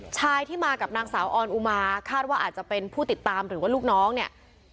ชายที่มากับนางสาวออนอุมาคาดว่าอาจจะเป็นผู้ติดตามหรือว่าลูกน้องเนี่ย